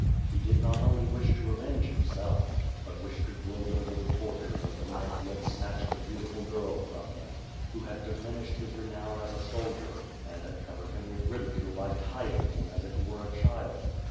He did not only wish to avenge himself, but wished to gloat over the tortures of the men who had snatched the beautiful girl from him, who had diminished his renown as a soldier, and had covered him with ridicule by tying him, as if he were a child.